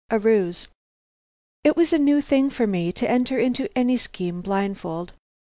A RUSE. It was a new thing for me to enter into any scheme blindfold.